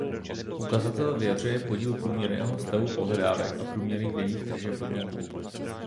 Ukazatel vyjadřuje podíl průměrného stavu pohledávek a průměrných denních tržeb podniku.